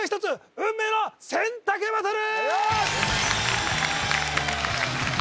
運命の選択バトル